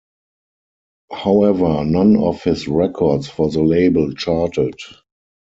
However, none of his records for the label charted.